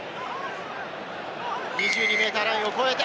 ２２ｍラインを越えて。